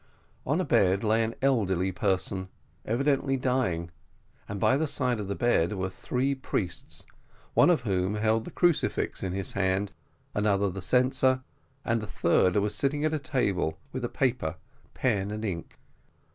On a bed lay an elderly person, evidently dying, and by the side of the bed were three priests, one of whom held the crucifix in his hand, another the censer, and a third was sitting at a table with a paper, pen, and ink.